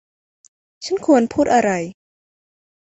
ฉันควรพูดอะไร